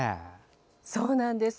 そうなんです。